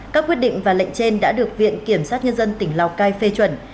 các quyết định và lệnh trên đã được viện kiểm sát nhân dân tỉnh lào cai phê chuẩn